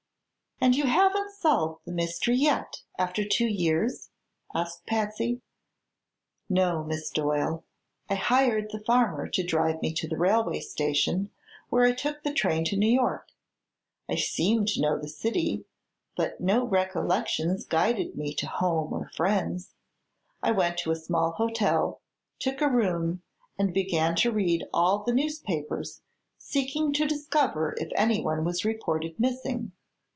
"And you haven't solved the mystery yet, after two years?" asked Patsy. "No, Miss Doyle. I hired the farmer to drive me to the railway station, where I took the train to New York. I seemed to know the city, but no recollection guided me to home or friends. I went to a small hotel, took a room, and began to read all the newspapers, seeking to discover if anyone was reported missing.